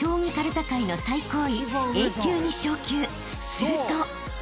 ［すると］